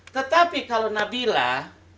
tetapi kalau nabilah